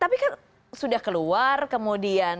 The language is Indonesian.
tapi kan sudah keluar kemudian